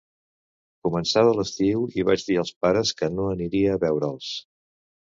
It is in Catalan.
Començava l’estiu i vaig dir als pares que no aniria a veure’ls.